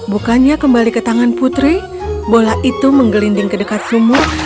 bukannya kembali ke tangan putri bola itu menggelinding ke dekat sumur